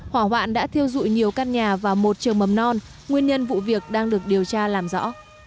hỏa hoạn đã thiêu dụi nhiều căn nhà và một trường mầm non nguyên nhân vụ việc đang được điều tra làm rõ